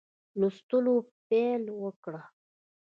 لوستلو پیل وکړ.